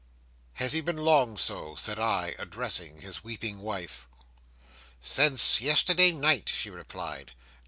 '"Has he been long so?" said I, addressing his weeping wife. '"Since yesterday night," she replied.